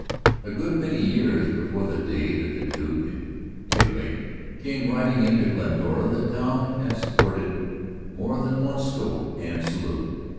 A good many years before the day that the Duke and Taterleg came riding into Glendora, the town had supported more than one store and saloon.